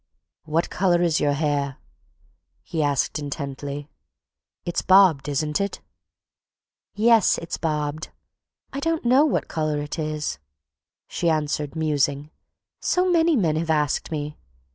"What color is your hair?" he asked intently. "It's bobbed, isn't it?" "Yes, it's bobbed. I don't know what color it is," she answered, musing, "so many men have asked me.